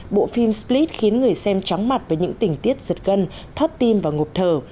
bộ phim split khiến người xem tróng mặt với những tỉnh tiết giật gân thót tim và ngộp thở